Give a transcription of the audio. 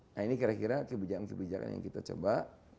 nah ini kira kira kebijakan kebijakan yang kita coba